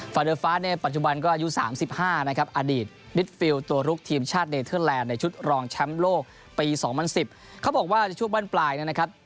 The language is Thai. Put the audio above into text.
เดอร์ฟ้าในปัจจุบันก็อายุ๓๕นะครับอดีตมิดฟิลตัวลุกทีมชาติเนเทอร์แลนด์ในชุดรองแชมป์โลกปี๒๐๑๐เขาบอกว่าในช่วงบ้านปลายนะครับ